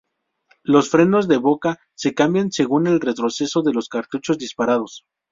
Los frenos de boca se cambian según el retroceso de los cartuchos disparados.